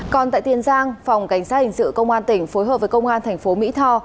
còn tại tiền giang phòng cảnh sát hình sự công an tỉnh phối hợp với công an thành phố mỹ tho